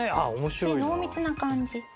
で濃密な感じ。